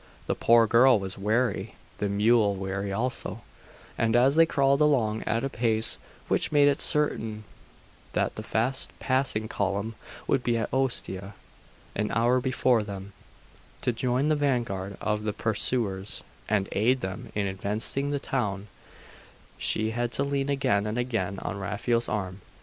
The poor girl was weary; the mule weary also; and as they crawled along, at a pace which made it certain that the fast passing column would be at Ostia an hour before them, to join the vanguard of the pursuers, and aid them in investing the town, she had to lean again and again on Raphael's arm.